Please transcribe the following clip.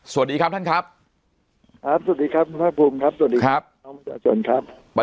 สวัสดีครับท่านครับครับสวัสดีครับภาคภูมิครับสวัสดีครับครับ